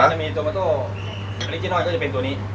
จะมีโตมาโต้อลิกินอลก็จะเป็นตัวนี้